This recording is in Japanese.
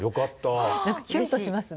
何かキュンとしますね。